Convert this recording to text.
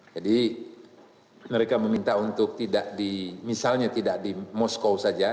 jadi mereka meminta untuk tidak di misalnya tidak di moskow saja